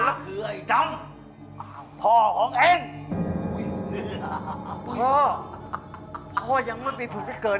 ปอกกัมเป็นอะไรไม่รู้เนี่ยพ่อ